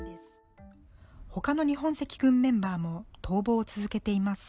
他の日本赤軍メンバーも逃亡を続けています。